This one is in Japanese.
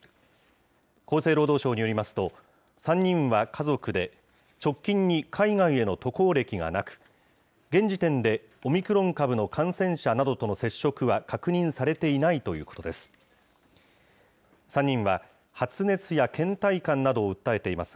厚生労働省によりますと、３人は家族で、直近に海外への渡航歴がなく、現時点でオミクロン株の感染者などとの接触は確認されていないということです。